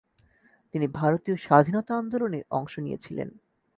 তিনি ভারতীয় স্বাধীনতা আন্দোলনে অংশ নিয়েছিলেন।